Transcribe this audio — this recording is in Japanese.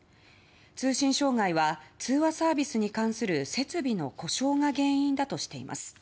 通信障害は通話サービスに関する設備の故障が原因だとしています。